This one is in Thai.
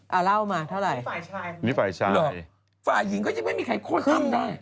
เอาเหล้ามาเท่าไหร่นี่ฝ่ายชายหรอกฝ่ายหญิงก็ยังไม่มีใครโคตรอั้มได้